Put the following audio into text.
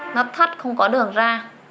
nó thắt không có đường ra